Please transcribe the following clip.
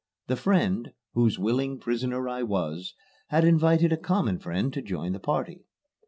The friend, whose willing prisoner I was, had invited a common friend to join the party.